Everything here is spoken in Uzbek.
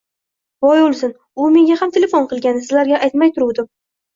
Voy, o`lsin, u menga ham telefon qilgandi, sizlarga aytmay turuvdim